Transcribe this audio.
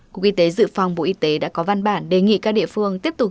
cục y tế dự phòng bộ y tế đã có văn bản đề nghị các địa phương tiếp tục